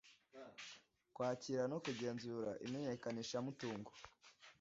kwakira no kugenzura imenyekanishamutungo;